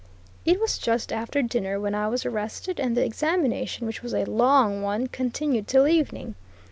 It was just after dinner when I was arrested, and the examination, which was a long one, continued till evening.